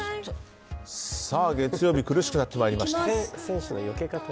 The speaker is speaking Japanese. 月曜日苦しくなってきました。